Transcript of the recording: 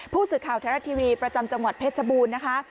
ผู้สื่อข่าวไทยรัฐทีวีประจำจังหวัดเพชรบูรณ์นะคะ